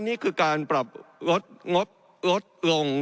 นี่คือการปรับลดงบลดลง